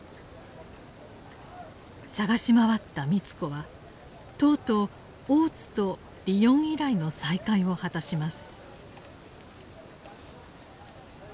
捜し回った美津子はとうとう大津とリヨン以来の再会を果たします。